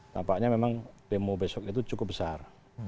tampaknya memang demo besok itu cukup besar